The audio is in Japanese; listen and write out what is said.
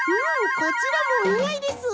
こちらもおにあいです！